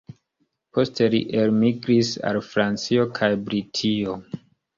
Poste li elmigris al Francio kaj Britio.